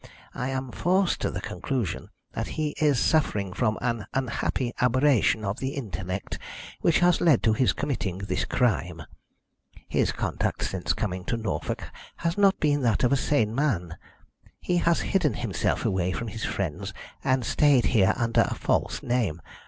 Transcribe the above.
I am forced to the conclusion that he is suffering from an unhappy aberration of the intellect, which has led to his committing this crime. His conduct since coming to Norfolk has not been that of a sane man. He has hidden himself away from his friends, and stayed here under a false name.